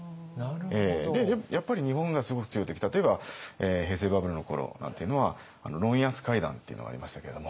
やっぱり日本がすごく強い時例えば平成バブルの頃なんていうのはロン・ヤス会談っていうのがありましたけれども。